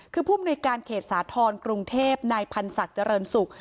คือผู้มนุยการเขตสาธรณ์กรุงเทพนายพันศักดิ์เจริญศุกร์